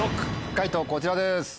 解答こちらです。